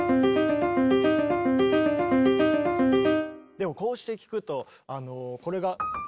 でもこうして聴くとあのこれが。